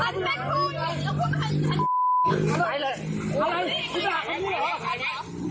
คุณหลังกายฉันจะได้บอก